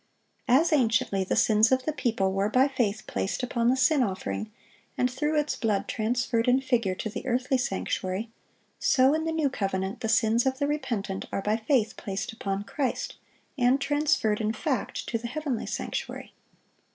As anciently the sins of the people were by faith placed upon the sin offering, and through its blood transferred, in figure, to the earthly sanctuary; so in the new covenant the sins of the repentant are by faith placed upon Christ, and transferred, in fact, to the heavenly sanctuary.